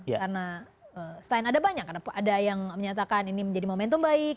karena setelahnya ada banyak ada yang menyatakan ini menjadi momentum baik